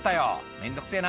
「面倒くせぇな